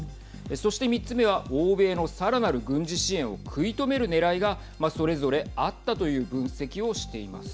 そして３つ目は欧米のさらなる軍事支援を食い止めるねらいがそれぞれあったという分析をはい。